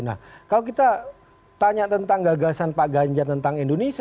nah kalau kita tanya tentang gagasan pak ganjar tentang indonesia